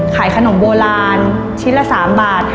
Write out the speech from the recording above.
ขายขนมโบราณชิ้นละ๓บาท